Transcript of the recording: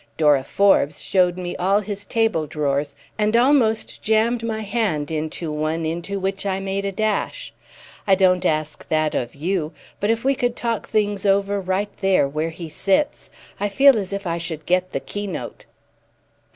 Dora Forbes showed me all his table drawers, and almost jammed my hand into one into which I made a dash! I don't ask that of you, but if we could talk things over right there where he sits I feel as if I should get the keynote."